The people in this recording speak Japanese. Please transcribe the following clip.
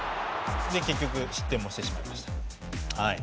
結局、失点もしてしまいました。